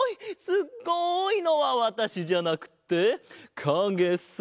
すっごい！」のはわたしじゃなくてかげさ。